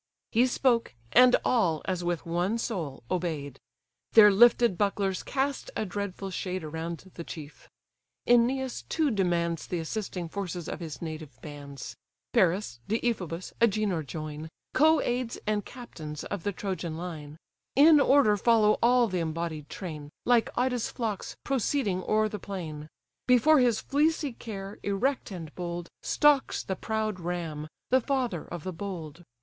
He spoke, and all, as with one soul, obey'd; Their lifted bucklers cast a dreadful shade Around the chief. Æneas too demands Th' assisting forces of his native bands; Paris, Deiphobus, Agenor, join; (Co aids and captains of the Trojan line;) In order follow all th' embodied train, Like Ida's flocks proceeding o'er the plain; Before his fleecy care, erect and bold, Stalks the proud ram, the father of the bold.